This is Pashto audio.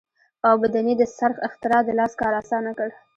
اوبدنې د څرخ اختراع د لاس کار اسانه کړ.